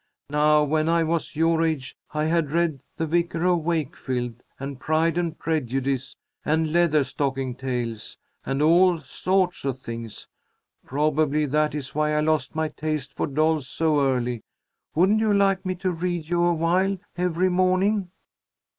Now when I was your age, I had read 'The Vicar of Wakefield' and 'Pride and Prejudice' and Leather stocking Tales, and all sorts of things. Probably that is why I lost my taste for dolls so early. Wouldn't you like me to read to you awhile every morning?"